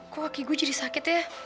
kok kaki gue jadi sakit ya